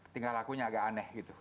tinggal lakunya agak aneh gitu